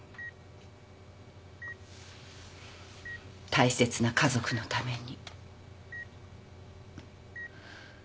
大切な家族のために。